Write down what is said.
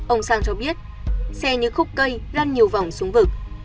ông sang cho biết xe như khúc cây lan nhiều vòng xuống vực